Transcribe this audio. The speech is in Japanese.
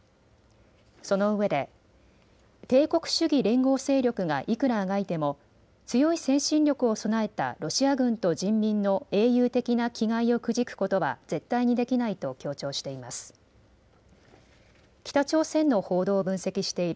そのうえで、帝国主義連合勢力がいくらあがいても強い精神力を備えたロシア軍と人民の英雄的な気概をくじくことは絶対にできないと強調しています。